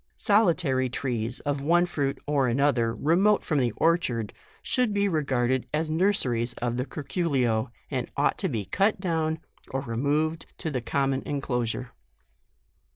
Solitary trees of one fruit or anoth er remote from the orchard, should be re garded as nurseries of the curculio, and ought to be cut down or removed to the common enclosure.